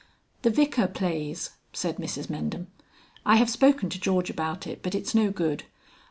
"The Vicar plays," said Mrs Mendham. "I have spoken to George about it, but it's no good.